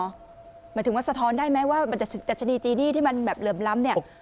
หมายถึงสะท้อนได้ไหมว่าดัชนีจีนี่ที่มันเหลือมล้ำ